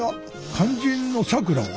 肝心のさくらは？